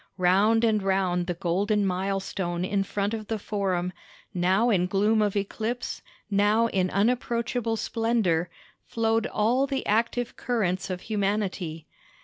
Round and round the golden mile stone in front of the Forum—now in gloom of eclipse, now in unapproachable splendor—flowed all the active currents of humanity.